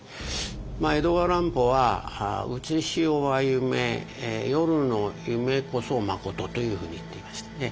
江戸川乱歩は「うつし世は夢夜の夢こそまこと」というふうに言っていましたね。